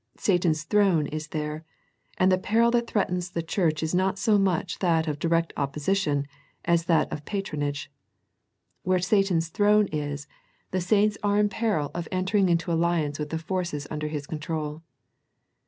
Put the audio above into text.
Satan's throne is there, and the peril that threatens the church is not so much that of direct opposition as that of patronage. " Where Satan's throne is," the 88 A First Century Message saints are in peril of entering into alliance with the forces under his control.